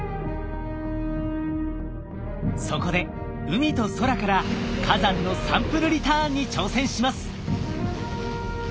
そこで海と空から火山のサンプルリターンに挑戦します。